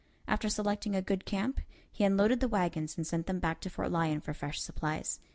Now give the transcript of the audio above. After selecting a good camp, he unloaded the wagons and sent them back to Fort Lyon for fresh supplies.